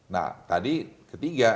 nah tadi ketiga